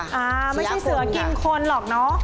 ไม่ใช่เสือกินคนหรอกเนอะ